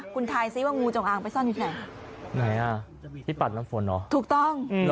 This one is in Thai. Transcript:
คุณทายซิว่างูจงอางไปซ่อนอยู่ไหนไหนอ่ะพี่ปัดน้ำฝนเหรอถูกต้อง